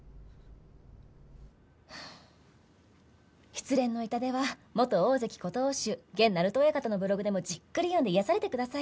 失恋の痛手は元大関琴欧洲現鳴戸親方のブログでもじっくり読んで癒やされてください。